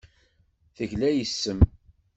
Tegla yes-m.